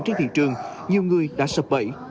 trên thị trường nhiều người đã sập bẫy